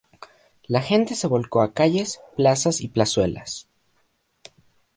La gente se volcó a calles, plazas y plazuelas.